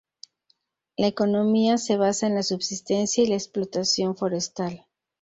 La economía se basa en la subsistencia y la explotación forestal.